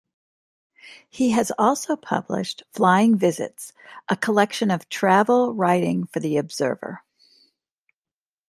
He has also published "Flying Visits", a collection of travel writing for "The Observer".